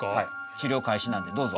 治りょう開始なんでどうぞ。